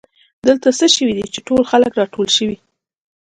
دلته څه شوي دي چې ټول خلک راټول شوي